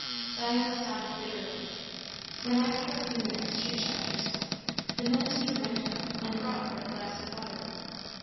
Diana sobbed bitterly. When after a few minutes she checked herself, the minister went off and brought her a glass of water.